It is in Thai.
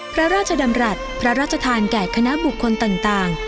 พระราชดำรัฐพระราชทานแก่คณะบุคคลต่าง